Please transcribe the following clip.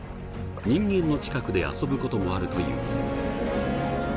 人間の近くで遊ぶ事もあるという。